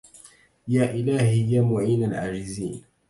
يا إلهي يا معين العاجزين